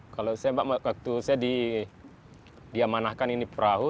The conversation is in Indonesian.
kalau saya waktu saya diamanahkan ini perahu